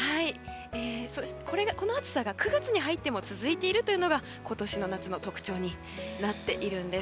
この暑さが９月に入っても続いているというのが今年の夏の特徴になります。